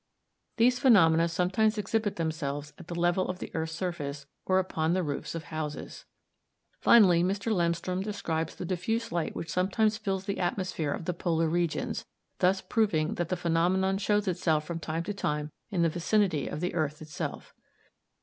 These phenomena sometimes exhibit themselves at the level of the earth's surface, or upon the roofs of houses. Finally, Mr. Lemstrom describes the diffuse light which sometimes fills the atmosphere of the polar regions, thus proving that the phenomenon shows itself from time to time in the vicinity of the earth itself.